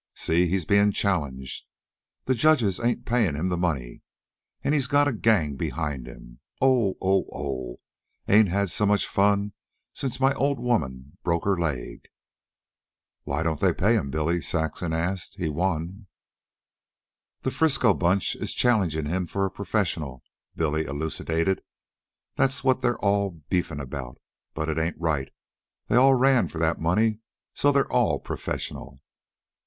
See! He's bein' challenged. The judges ain't payin' him the money. An' he's got a gang behind him. Oh! Oh! Oh! Ain't had so much fun since my old woman broke her leg!" "Why don't they pay him, Billy?" Saxon asked. "He won." "The Frisco bunch is challengin' him for a professional," Billy elucidated. "That's what they're all beefin' about. But it ain't right. They all ran for that money, so they're all professional."